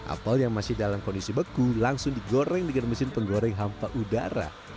apel yang masih dalam kondisi beku langsung digoreng dengan mesin penggoreng hampa udara